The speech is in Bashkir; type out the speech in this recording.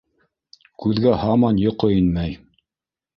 Күҙгә һаман йоҡо инмәй.